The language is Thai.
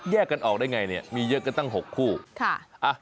กันออกได้ไงเนี่ยมีเยอะกันตั้ง๖คู่ค่ะ